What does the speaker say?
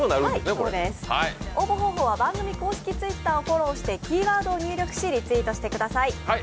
応募方法は番組公式Ｔｗｉｔｔｅｒをフォローしてキーワードを入力しリツイートしてください。